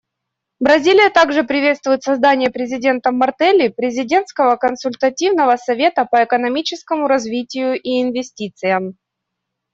Бразилия также приветствует создание президентом Мартелли президентского консультативного совета по экономическому развитию и инвестициям.